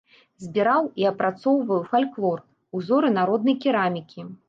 Збіраў і апрацоўваў фальклор, узоры народнай керамікі.